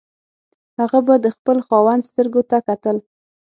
هغه به د خپل خاوند سترګو ته کتل.